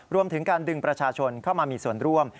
รวมถึงการดึงประชาชนเข้ามามีส่วนร่วม